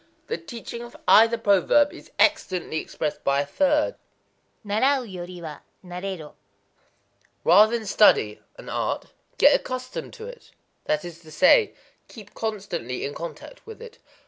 The teaching of either proverb is excellently expressed by a third:—Narau yori wa naréro: "Rather than study [an art], get accustomed to it,"—that is to say, "keep constantly in contact with it."